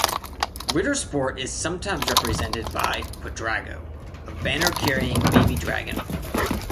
Ritter Sport is sometimes represented by "Quadrago", a banner-carrying baby dragon.